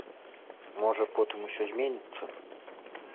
Можа, потым усё зменіцца.